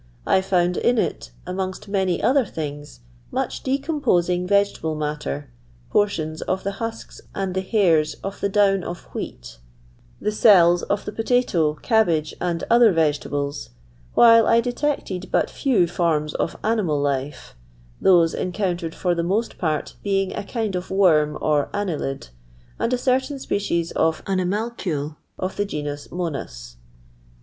I found in it, amongst many other things, much de composing vegetable matter, portions of the husks and the hairs of the down of wheat, the cells of the potato, cabbage, and other vegetables, while I detected but few forms of animal life, those en countered for the most part being a kind of worm or annelid, and a certain species of animalcule of the genus monas.'